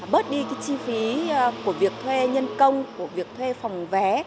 bớt đi cái chi phí của việc thuê nhân công của việc thuê phòng vé